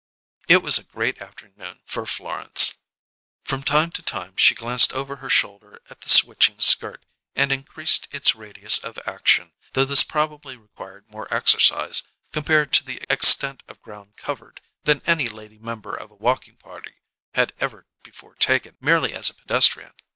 It was a great afternoon for Florence. From time to time she glanced over her shoulder at the switching skirt, and increased its radius of action, though this probably required more exercise, compared to the extent of ground covered, than any lady member of a walking party had ever before taken, merely as a pedestrian.